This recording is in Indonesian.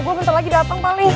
gua bentar lagi datang pak li